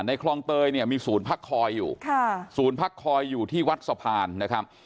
คลองเตยเนี่ยมีศูนย์พักคอยอยู่ค่ะศูนย์พักคอยอยู่ที่วัดสะพานนะครับ